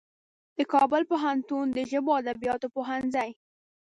د کابل پوهنتون د ژبو او ادبیاتو پوهنځي